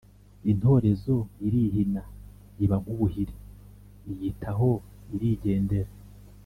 intorezo irihina iba nk’ubuhiri; iyita aho irigendera.